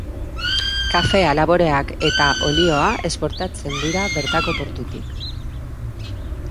Kafea, laboreak eta olioa esportatzen dira bertako portutik.